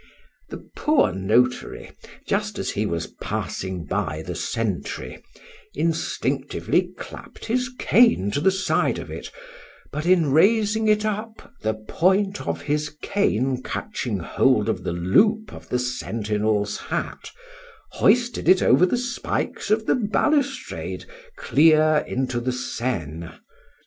The poor notary, just as he was passing by the sentry, instinctively clapp'd his cane to the side of it, but in raising it up, the point of his cane catching hold of the loop of the sentinel's hat, hoisted it over the spikes of the ballustrade clear into the Seine.